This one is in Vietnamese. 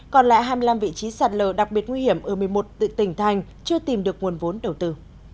còn lại hai mươi năm vị trí sạt lở đặc biệt nguy hiểm ở một mươi một tỉnh thành chưa tìm được nguồn vốn đầu tư